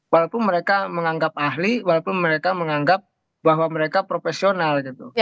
walaupun mereka menganggap ahli walaupun mereka menganggap bahwa mereka profesional gitu